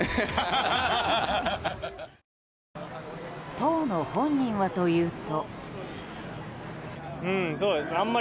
当の本人はというと。